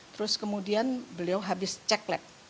terus kemudian beliau habis ceklet